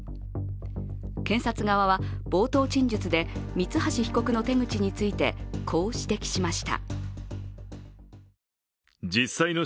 検察側は冒頭陳述で、三橋被告の手口についてこう、指摘しました。